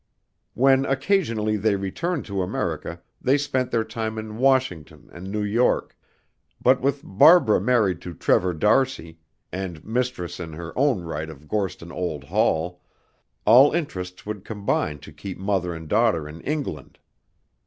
When occasionally they returned to America, they spent their time in Washington and New York; but with Barbara married to Trevor d'Arcy, and mistress in her own right of Gorston Old Hall, all interests would combine to keep mother and daughter in England.